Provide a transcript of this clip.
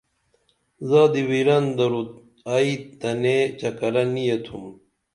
زادی ویرن درو ائی تنیں چکرہ نی ییتُھم